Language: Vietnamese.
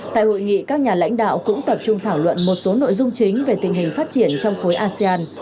tại hội nghị các nhà lãnh đạo cũng tập trung thảo luận một số nội dung chính về tình hình phát triển trong khối asean